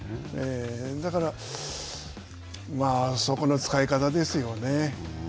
だから、そこの使い方ですよね。